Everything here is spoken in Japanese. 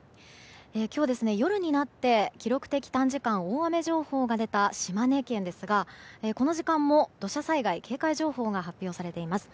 今日は夜になって記録的短時間大雨情報が出た島根県ですが、この時間も土砂災害警戒情報が発表されています。